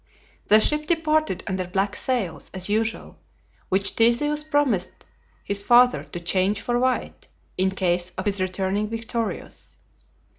The ship departed under black sails, as usual, which Theseus promised his father to change for white, in case of his returning victorious.